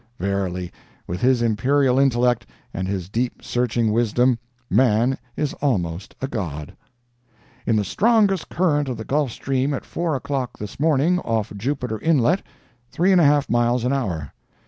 Verily, with his imperial intellect and his deep searching wisdom, man is almost a God! "In the strongest current of the Gulf Stream at 4 o'clock this morning, off Jupiter Inlet—3 1/2 miles an hour.